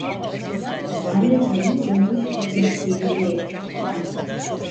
Annesinin dönmüş Katolik dininde yetiştirildi.